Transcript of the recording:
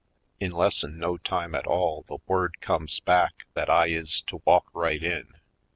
In lessen no time at all the word comes back that I is to walk right in.